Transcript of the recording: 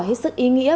hết sức ý nghĩa